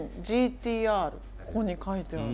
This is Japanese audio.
ここに書いてある。